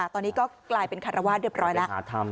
ตอนนี้ก็กลายเป็นคารวาสเรียบร้อยแล้ว